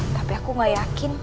tapi aku gak yakin